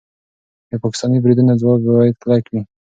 د پاکستاني بریدونو ځواب باید کلک وي.